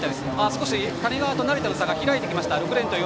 少し谷川と成田の差が開いてきました。